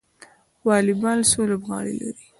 والیبال څو لوبغاړي لري؟